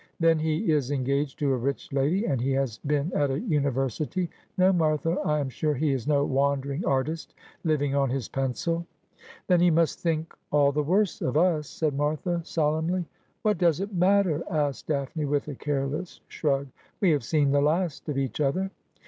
Then he is engaged to a rich lady, and he has been at a university. No, Martha, I am sure he is no wandering artist living on his pencil.' ' Then he must think all the worse of us,' said Martha solemnly. ' And this was gladly in the Eventide.' 23 ' What does it matter ?' asked Daphne, with a careless shrug. ' We have seen the last of each other.'